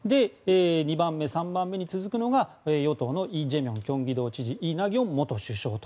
２番目３番目に続くのが与党のイ・ジェミョンキョンギ道知事イ・ナギョン元首相と。